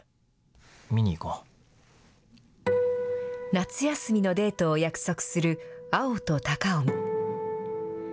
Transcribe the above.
夏休みのデートを約束する、碧と貴臣。